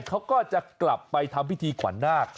เขาก็จะกลับไปทำพิธีขวัญนาค